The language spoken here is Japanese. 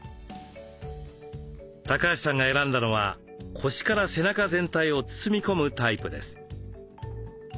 高橋さんが選んだのは腰から背中全体を包み込むタイプです。